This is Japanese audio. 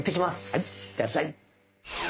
はいいってらっしゃい！